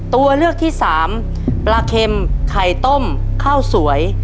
ตัวเลือกที่สามปลาเค็มไข่ต้มข้าวสวย